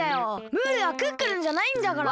ムールはクックルンじゃないんだから。